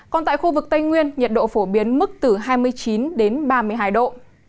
còn tại khu vực tây nguyên nhiệt độ phổ biến mức từ hai mươi chín đến ba mươi hai độ